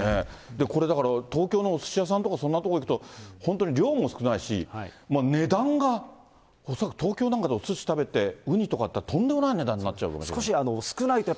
これ、だから東京のおすし屋さんとかそんなところ行くと、本当に量も少ないし、値段が、恐らく東京なんかでおすし食べて、ウニとかいったら、とんでもない値段になっちゃうんじゃないかっていう。